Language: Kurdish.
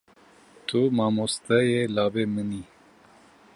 Tu mamosteyê lawê min î.